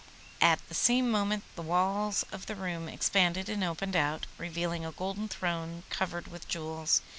At the same moment the walls of the room expanded and opened out, revealing a golden throne covered with jewels.